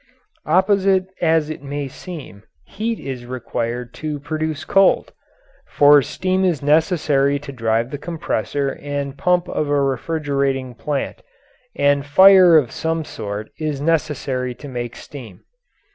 Opposite as it may seem, heat is required to produce cold for steam is necessary to drive the compressor and pump of a refrigerating plant, and fire of some sort is necessary to make steam.